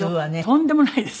とんでもないです。